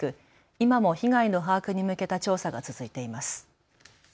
今も被害の把握に向けた調査が続いています。